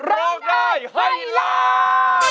ร้องได้ให้ล้าน